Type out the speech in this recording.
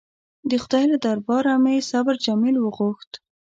د خدای له درباره مې صبر جمیل وغوښت.